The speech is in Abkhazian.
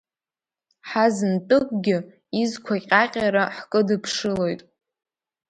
Ҳазынтәыкгьы изқәа ҟьаҟьара ҳкыдыԥшылоит.